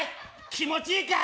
気持ちいいかい？